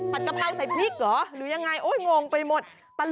กะเพราใส่พริกเหรอหรือยังไงโอ้ยงงไปหมด